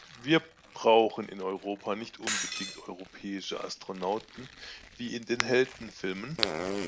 Wir brauchen in Europa nicht unbedingt europäische Astronauten wie in den Heldenfilmen.